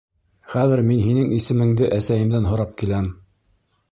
— Хәҙер мин һинең исемеңде әсәйемдән һорап киләм.